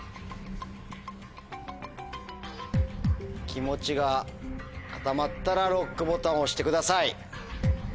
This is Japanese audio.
気持ちが固まったらＬＯＣＫボタンを押してください。